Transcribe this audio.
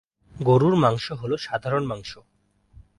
গরুর মাংস হল সাধারণ মাংস।